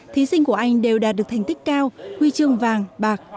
thí sinh của anh đều đạt được thành tích cao huy chương vàng bạc